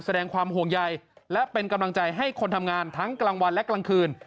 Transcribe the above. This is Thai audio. แสดงความห่วงใยและเป็นกำลังใจให้คนทำงานทั้งกลางวันและกลางคืน